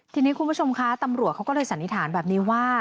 ทีนี้คุณผู้ชมคะตำรวจเขาก็เลยสันนิษฐานแบบนี้ว่า